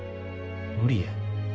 無理や。